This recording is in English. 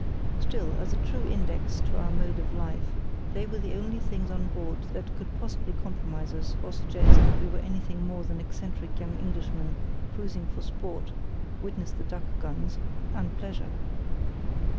Still, as a true index to our mode of life they were the only things on board that could possibly compromise us or suggest that we were anything more than eccentric young Englishmen cruising for sport (witness the duck guns) and pleasure.